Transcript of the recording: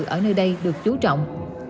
ở nơi đây được chú trọng